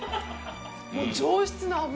もう上質な脂。